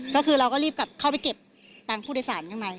ก็คือเราก็รีบกลับเข้าไปเก็บตังค์ผู้โดยสารข้างใน